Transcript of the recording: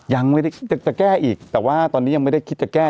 ยังไม่ได้จะแก้อีกแต่ว่าตอนนี้ยังไม่ได้คิดจะแก้